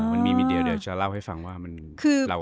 มันมีมิดเดียวเดียวจะเล่าให้ฟังว่าเราพยายามทำอะไรให้มัน